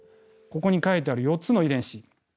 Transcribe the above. ここに書いてある４つの遺伝子。